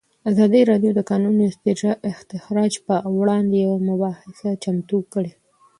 ازادي راډیو د د کانونو استخراج پر وړاندې یوه مباحثه چمتو کړې.